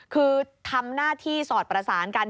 คือทำหน้าที่สอดประสานกัน